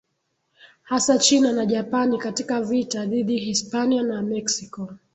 hasa China na Japani Katika vita dhidi Hispania na Meksiko